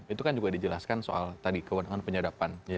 itu kan juga dijelaskan soal tadi kewenangan penyadapan